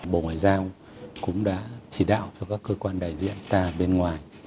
bộ ngoại giao cũng đã chỉ đạo cho các cơ quan đại diện ta bên ngoài